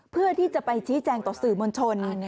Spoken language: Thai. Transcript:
เพื่อที่จะไปชี้แจงต่อสื่อมวลชน